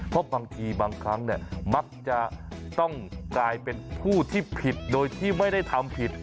เพราะบางทีบางครั้งมักจะต้องกลายเป็นผู้ที่ผิดโดยที่ไม่ได้ทำผิด